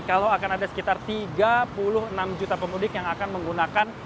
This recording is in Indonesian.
kalau akan ada sekitar tiga puluh enam juta pemudik yang akan menggunakan